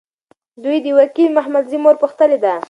دوی د وکیل محمدزي مور پوښتلي ده.